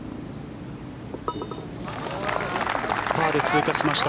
パーで通過しました